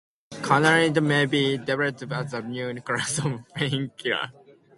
Conolidine may be developed as a new class of pain-killer.